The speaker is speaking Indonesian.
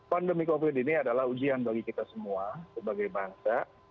pandemi covid ini adalah ujian bagi kita semua sebagai bangsa